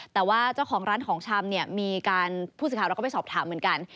แต่ว่าเจ้าของร้านของชำมีการพูดสินค้าแล้วก็ไปสอบถามเหมือนกัน